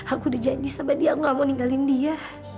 aku udah janji sampai dia gak mau ninggalin dia